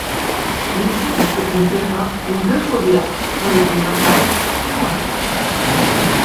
Les yeux des Faucons pèlerins ont deux fovéas, pour les vues normale et lointaine.